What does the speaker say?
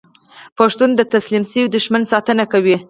پښتون د تسلیم شوي دښمن ساتنه کوي.